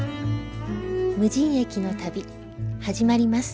無人駅の旅始まります。